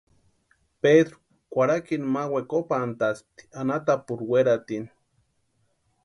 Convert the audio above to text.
Pedru kwarakini ma wekopantʼaspti anhatapurhu weratini.